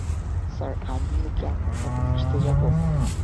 Sir, আমিও কি আপনার সাথে মিশে যাব?